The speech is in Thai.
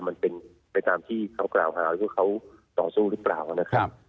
มันเป็นไปตามที่เขากล่าวหาว่าเขาต่อสู้หรือเปล่านะครับ